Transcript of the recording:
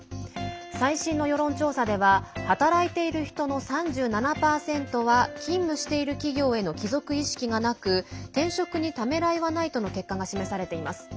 最新の世論調査では働いている人の３７％は勤務している企業への帰属意識がなく転職にためらいはないとの結果が示されています。